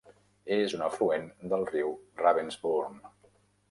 És un afluent del riu Ravensbourne.